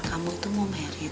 kamu tuh mau married